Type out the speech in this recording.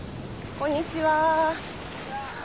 こんにちは。